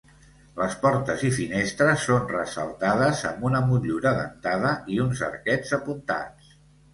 Les portes i finestres són ressaltades amb una motllura dentada i uns arquets apuntats.